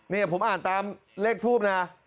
นี่ผมอ่านตามเลขทูปนะ